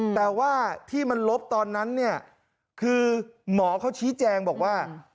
แต่ว่าที่มันลบตอนนั้นเนี่ยคือหมอเขาชี้แจงบอกว่า